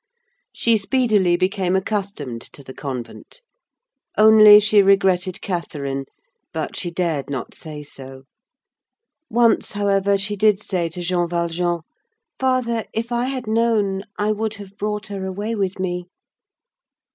She speedily became accustomed to the convent. Only she regretted Catherine, but she dared not say so. Once, however, she did say to Jean Valjean: "Father, if I had known, I would have brought her away with me."